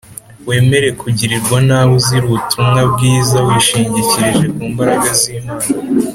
Wemere kugirirwa nabi b uzira ubutumwa bwiza wishingikirije ku mbaraga z imana